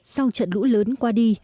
sau trận lũ lớn qua đi